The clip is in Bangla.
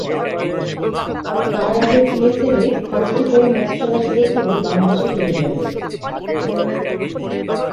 তার আগে পিএসএলে পাঁচটি করে ম্যাচ খেলার সুযোগ থাকবে বাংলাদেশের ক্রিকেটারদের।